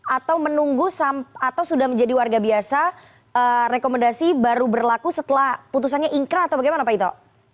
atau menunggu atau sudah menjadi warga biasa rekomendasi baru berlaku setelah putusannya ingkra atau bagaimana pak ito